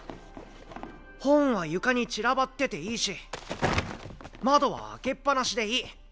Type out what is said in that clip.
本は床に散らばってていいし窓は開けっ放しでいい。